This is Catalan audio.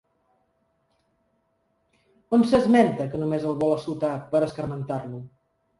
On s'esmenta que només el vol assotar per escarmentar-lo?